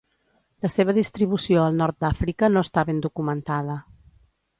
La seva distribució al nord d'Àfrica no està ben documentada.